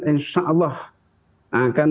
insya allah akan